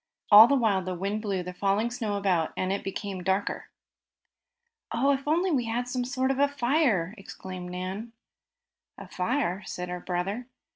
All the while the wind blew the falling snow about, and it became darker. "Oh, if we only had some sort of a fire!" exclaimed Nan. "A fire?" said her brother.